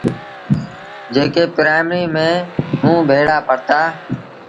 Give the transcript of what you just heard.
جيڪي پرآئيمريٚ ميݩ موݩ ڀيڙآ پڙهتآ۔